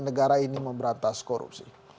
negara ini memberantas korupsi